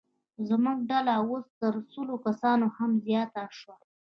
زموږ ډله اوس تر سلو کسانو هم زیاته شوه.